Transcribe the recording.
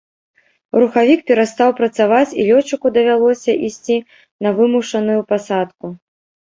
Рухавік перастаў працаваць і лётчыку давялося ісці на вымушаную пасадку.